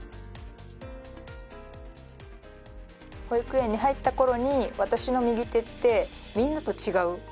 保育園に入った頃に私の右手ってみんなと違う。